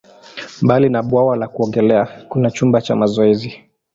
Mbali na bwawa la kuogelea, kuna chumba cha mazoezi.